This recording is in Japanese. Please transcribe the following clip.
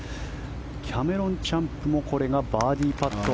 キャメロン・チャンプもこれがバーディーパット。